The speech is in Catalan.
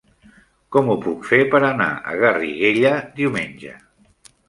Com ho puc fer per anar a Garriguella diumenge?